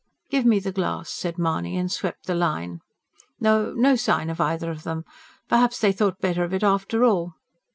"Give me the glass," said Mahony, and swept the line. "No, no sign of either of them. Perhaps they thought better of it after all.